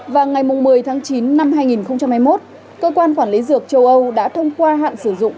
và ngày một mươi tháng chín năm hai nghìn hai mươi một cơ quan quản lý dược châu âu đã thông qua hạn sử dụng